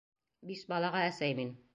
— Биш балаға әсәй мин.